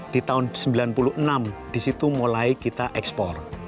di tahun seribu sembilan ratus sembilan puluh enam disitu mulai kita ekspor